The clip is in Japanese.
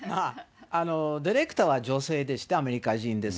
ディレクターは女性でして、アメリカ人です。